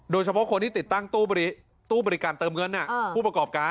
โดยเฉพาะคนที่ติดตั้งตู้บริการเติมเงินผู้ประกอบการ